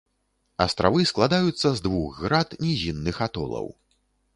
Астравы складаюцца з двух град нізінных атолаў.